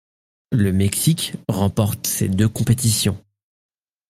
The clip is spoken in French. Le Mexique remporte ces deux compétitions.